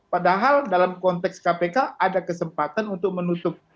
padahal dalam konteks kpk ada kesempatan untuk menutup